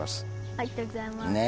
ありがとうございます。ね。